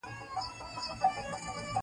کومه ورځ مو دغه شاعر په غیر متوازن حالت ولید.